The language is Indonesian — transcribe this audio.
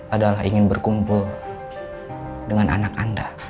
adalah ingin berkumpul dengan anak anda